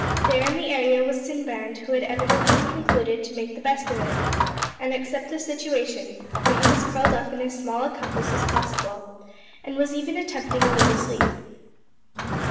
There in the area was Sinbad, who had evidently concluded to make the best of it, and accept the situation, for he was curled up in as small a compass as possible, and was even attempting a little sleep.